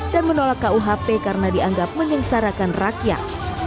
dan menolak kuhp karena dianggap menyengsarakan rakyat